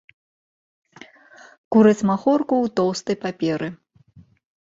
Кураць махорку ў тоўстай паперы.